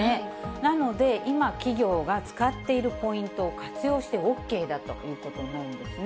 なので、今、企業が使っているポイントを活用してＯＫだということになるんですね。